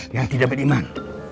yang tidak beriman